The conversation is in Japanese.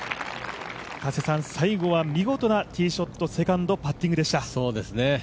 最後は見事なティーショット、セカンドパッティングでした。